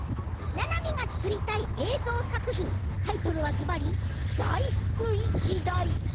ななみが作りたい映像作品タイトルは、ずばり「大福一代記」！